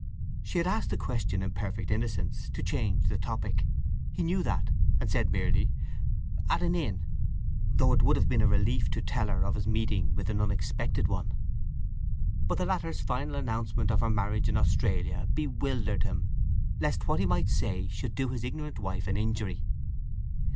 She had asked the question in perfect innocence, to change the topic. He knew that, and said merely, "At an inn," though it would have been a relief to tell her of his meeting with an unexpected one. But the latter's final announcement of her marriage in Australia bewildered him lest what he might say should do his ignorant wife an injury.